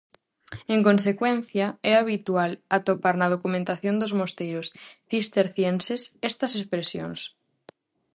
En consecuencia, é habitual atopar na documentación dos mosteiros cistercienses estas expresións.